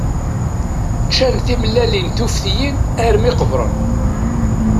Ččan timellalin tuftiyin armi qebren.